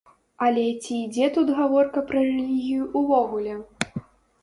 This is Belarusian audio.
Але ці ідзе тут гаворка пра рэлігію ўвогуле?